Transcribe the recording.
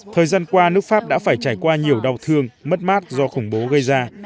thời gian qua nước pháp đã phải trải qua nhiều đau thương mất mát do khủng bố gây ra